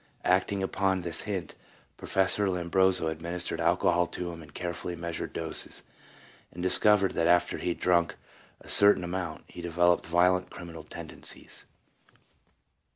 Acting upon this hint, Professor Lombroso administered alcohol to him in carefully measured doses, and discovered that after he had drunk a cer tain amount, he developed violent criminal tendencies.